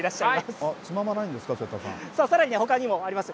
さらにほかにもあります。